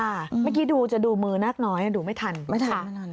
เมื่อกี้ดูจะดูมือนักน้อยดูไม่ทันไม่ทัน